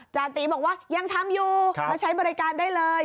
จาติบอกว่ายังทำอยู่มาใช้บริการได้เลย